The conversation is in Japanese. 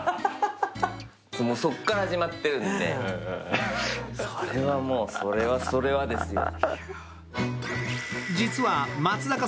そこから始まってるんで、それはそれは、ですよ。